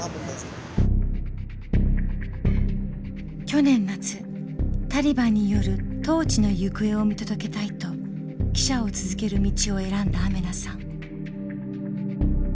去年夏タリバンによる統治の行方を見届けたいと記者を続ける道を選んだアメナさん。